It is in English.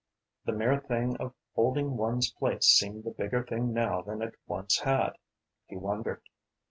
The mere thing of holding one's place seemed a bigger thing now than it once had. He wondered.